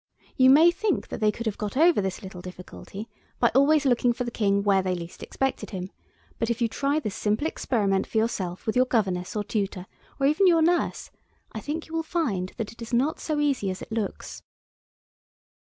You may think that they could have got over this little difficulty by always looking for the King where they least expected him, but if you try this simple experiment for yourself with your governess or tutor, or even your nurse, I think you will find that it is not so easy as it looks.